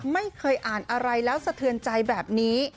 ไม่เคยอ่านอะไรแล้วสะเทือนใจแบบนี้